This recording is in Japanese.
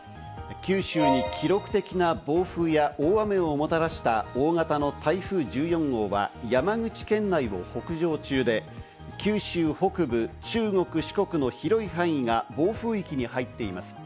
九州に記録的な暴風や大雨をもたらした大型の台風１４号は山口県内を北上中で九州北部、中国、四国の広い範囲が暴風域に入っています。